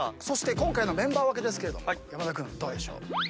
今回のメンバー分けですけれども山田君どうでしょう？